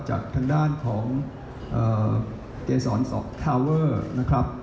จากทางด้านของเกษรทาเวอร์นะครับ